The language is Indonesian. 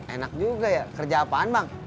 enak juga ya kerja apaan bang